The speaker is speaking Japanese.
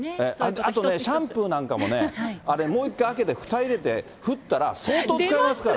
あとシャンプーなんかもね、あれ、もう一回開けて、ふた入れて振ったら、相当使えますから。